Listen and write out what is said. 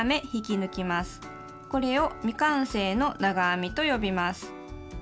これを「未完成の長編み」と呼びます。